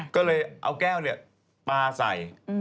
ก็เลยเอาแก้วปลาใส่